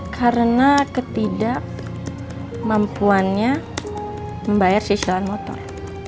karena ketidakmampuannya membayar sisilan motor